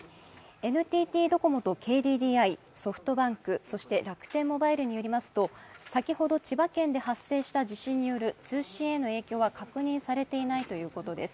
ＮＴＴドコモとＫＤＤＩ、ソフトバンク、そして楽天モバイルによりますと、先ほど千葉県で発生した地震による通信への影響は確認されていないということです。